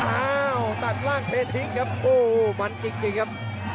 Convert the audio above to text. อ้าวตัดล่างเททิ้งครับโอ้โหมันจริงครับ